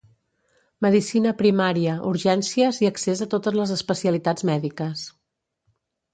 Medicina primària urgències i accés a totes les especialitats mèdiques